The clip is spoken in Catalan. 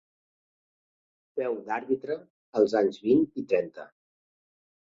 Féu d'àrbitre als anys vint i trenta.